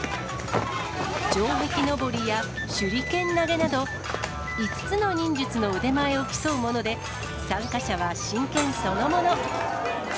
城壁登りや手裏剣投げなど、５つの忍術の腕前を競うもので、参加者は真剣そのもの。